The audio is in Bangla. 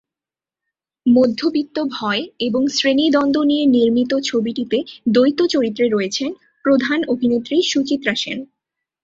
মধ্যবিত্ত ভয় এবং শ্রেণি দ্বন্দ্ব নিয়ে নির্মিত ছবিটিতে দ্বৈত চরিত্রে রয়েছেন প্রধান অভিনেত্রী সুচিত্রা সেন।